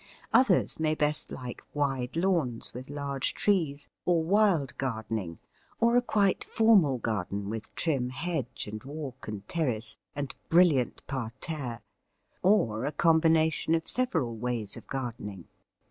Others may best like wide lawns with large trees, or wild gardening, or a quite formal garden, with trim hedge and walk, and terrace, and brilliant parterre, or a combination of several ways of gardening.